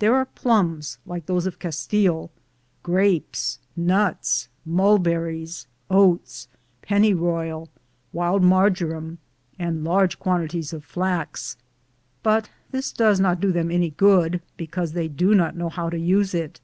There are plums like those of Castile, grapes, nuts, mulber ries, oats, pennyroyal, wild marjoram, and large quantities of flax, but this does not do them any good, because they do not know how to use it.